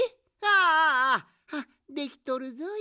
ああできとるぞい。